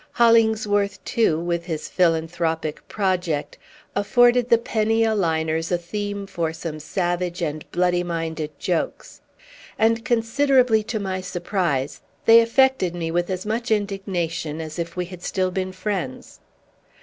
Hollingsworth, too, with his philanthropic project, afforded the penny a liners a theme for some savage and bloody minded jokes; and, considerably to my surprise, they affected me with as much indignation as if we had still been friends.